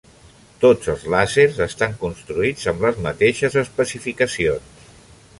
Tots els làsers estan construïts amb les mateixes especificacions.